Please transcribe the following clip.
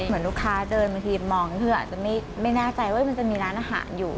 เหมือนลูกค้าเดินบางทีมองคืออาจจะไม่แน่ใจว่ามันจะมีร้านอาหารอยู่